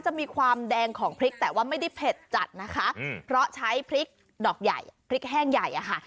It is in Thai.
จะมีความแดงของพริกแต่ว่าไม่ได้เผ็ดจัดนะคะเพราะใช้พริกดอกใหญ่พริกแห้งใหญ่อะค่ะ